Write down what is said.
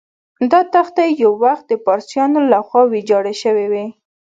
دا تختې یو وخت د پارسیانو له خوا ویجاړ شوې وې.